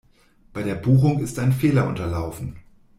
Bei der Buchung ist ein Fehler unterlaufen.